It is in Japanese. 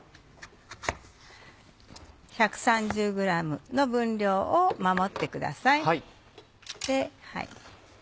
１３０ｇの分量を守ってください。